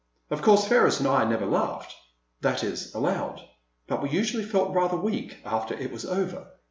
Of course Ferris and I never laughed — that is, aloud, but we usually felt rather weak after it was over.